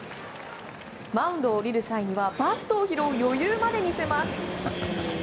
マウンドを降りる際にはバットを拾う余裕まで見せます。